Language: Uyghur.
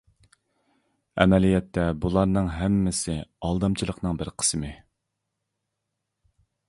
ئەمەلىيەتتە بۇلارنىڭ ھەممىسى ئالدامچىلىقنىڭ بىر قىسمى.